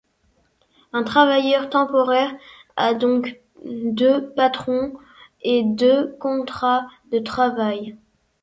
Un travailleur temporaire a donc deux patrons, et deux contrats de travail.